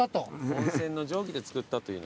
温泉の蒸気で作ったというのがね。